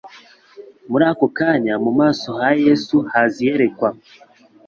Muri ako kanya mu maso ha Yesu haza iyerekwa.